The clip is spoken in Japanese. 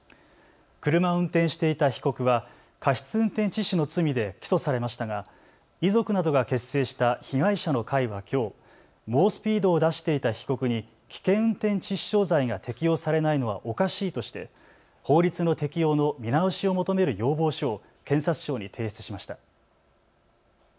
車を運転していた被告は過失運転致死の罪で起訴されましたが遺族などが結成した被害者の会はきょう、猛スピードを出していた被告に危険運転致死傷罪が適用されないのはおかしいとして法律の適用の見直しを求める要望書を検察庁に提出しました。